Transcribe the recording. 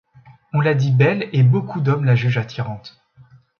On la dit belle et beaucoup d'hommes la jugent attirante.